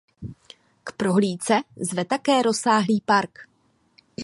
K prohlídce zve také rozsáhlý park.